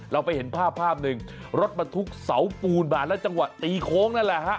เราไปเห็นภาพภาพหนึ่งรถบรรทุกเสาปูนมาแล้วจังหวะตีโค้งนั่นแหละฮะ